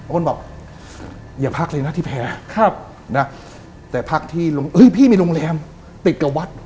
บอกอย่าพักเลยนะที่แพ้แต่พักที่ลงเอ้ยพี่มีโรงแรมติดกับวัด